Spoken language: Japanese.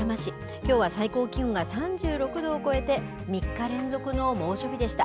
きょうは最高気温が３６度を超えて、３日連続の猛暑日でした。